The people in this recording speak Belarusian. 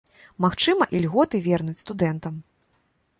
Магчыма, ільготы вернуць студэнтам.